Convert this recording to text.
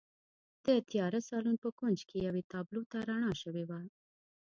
د تیاره سالون په کونج کې یوې تابلو ته رڼا شوې وه